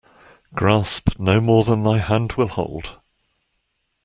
Grasp no more than thy hand will hold.